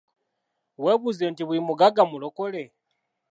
Weebuuze nti buli mugagga mulokole ?